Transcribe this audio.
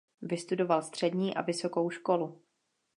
Vystudoval střední a vysokou školu.